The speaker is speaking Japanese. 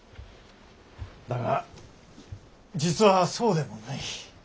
だが実はそうでもない。